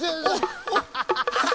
ハハハハ。